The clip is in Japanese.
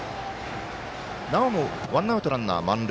なおもワンアウト、ランナー満塁。